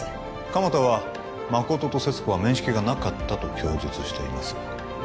鎌田は誠と勢津子は面識がなかったと供述しています